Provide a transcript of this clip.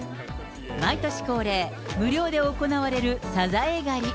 毎年恒例、無料で行われるサザエ狩り。